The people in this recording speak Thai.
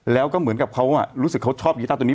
แล้วก็เหมือนกับเขารู้สึกเขาชอบกีต้าตัวนี้